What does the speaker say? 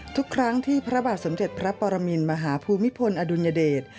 ทุกครั้งที่พระบาทสมเด็จพระปรมินมหาภูมิพลอดุลยเดช